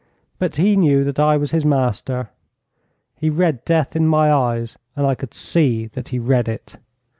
But he knew that I was his master. He read death in my eyes, and I could see that he read it.